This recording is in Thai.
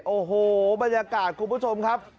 โอ้โหบรรยากาศคุณผู้ชมครับ